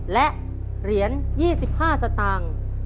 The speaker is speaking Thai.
และเหรียญ๒๕สตางค์